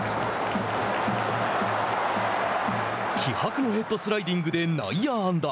気迫のヘッドスライディングで内野安打。